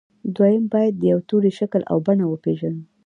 دويم بايد د يوه توري شکل او بڼه وپېژنو.